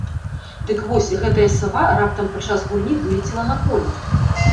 Дык вось гэтая сава раптам падчас гульні вылецела на поле.